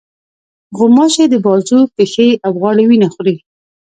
غوماشې د بازو، پښې، او غاړې وینه خوري.